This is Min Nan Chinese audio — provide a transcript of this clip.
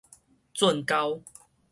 圳溝